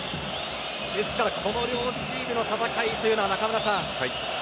ですから、この両チームの戦いというのは中村さん